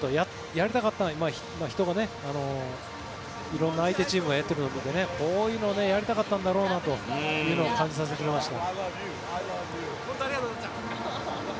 やりたかったこと色んな相手チームがいるのでこういうのをやりたかったんだろうなというのを感じさせました。